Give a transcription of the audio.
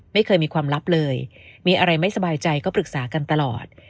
ไม่เคยมีความลับเลยมีอะไรไม่สบายใจก็ปรึกษากันตลอด